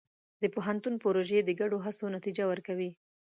د پوهنتون پروژې د ګډو هڅو نتیجه ورکوي.